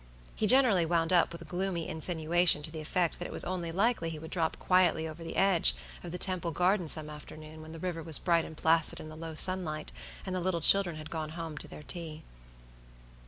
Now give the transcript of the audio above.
He generally wound up with a gloomy insinuation to the effect that it was only likely he would drop quietly over the edge of the Temple Gardens some afternoon when the river was bright and placid in the low sunlight, and the little children had gone home to their tea.